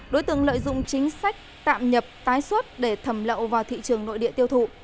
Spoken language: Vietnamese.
đối tượng lợi dụng chính sách tạm nhập tái xuất để thẩm lậu vào thị trường nội địa tiêu thụ